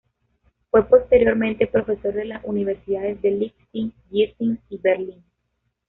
Fue posteriormente profesor de las Universidades de Leipzig, Giessen y Berlín.